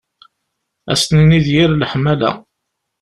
Ad s-nini d yir leḥmala.